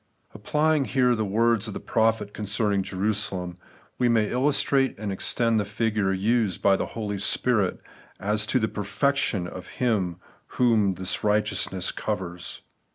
Apply ing heie the words of the ptophet concerning Jerosalem, we may illusttate and extend the figure used by the Holy Spirit as to the ' perf'ection ' of him whom this righteousness covers.